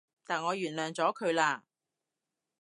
但我原諒咗佢喇